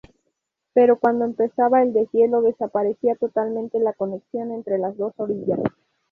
Pero cuando empezaba el deshielo, desaparecía totalmente la conexión entre las dos orillas.